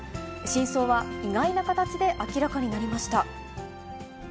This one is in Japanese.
真相は、意外な形で明らかになりました。